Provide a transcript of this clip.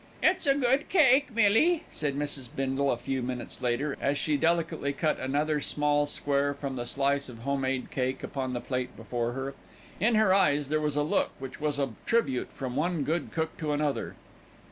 "It's a good cake, Millie," said Mrs. Bindle a few minutes later, as she delicately cut another small square from the slice of home made cake upon the plate before her. In her eyes there was a look which was a tribute from one good cook to another.